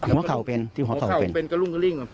หัวเขาเป็นหัวเขาเป็นกระรุ่งกระริ่ง